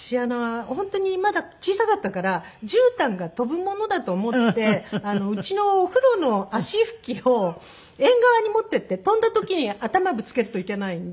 本当にまだ小さかったから絨毯が飛ぶものだと思ってうちのお風呂の足拭きを縁側に持っていって飛んだ時に頭ぶつけるといけないんで。